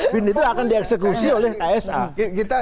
bin itu akan dieksekusi oleh ksa